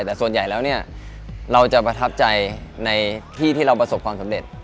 แต่ส่วนใหญ่แล้วเนี่ยเราจะประทับใจในที่ที่เราประสบความสำเร็จ